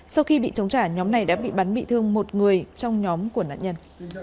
sau khi bị chống trả nhóm này đã bị bắn bị thương một người trong nhóm của nạn nhân